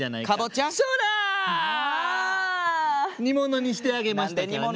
「煮物にしてあげましたからね」。